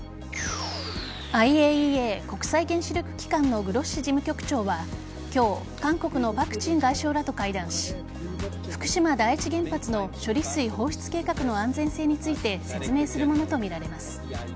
ＩＡＥＡ＝国際原子力機関のグロッシ事務局長は今日、韓国のパク・チン外相らと会談し福島第一原発の処理水放出計画の安全性について説明したとみられます。